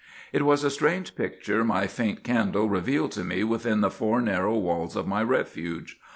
"It was a strange picture my faint candle revealed to me within the four narrow walls of my refuge.